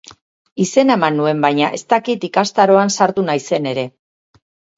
Izena eman nuen baina ez dakit ikastaroan sartu naizen ere.